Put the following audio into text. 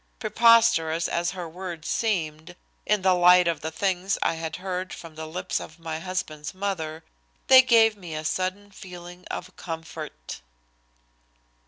Preposterous as her words seemed in the light of the things I had heard from the lips of my husband's mother, they gave me a sudden feeling of comfort.